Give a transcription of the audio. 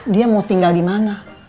dia mau tinggal di mana